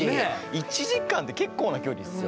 １時間って結構な距離ですよ？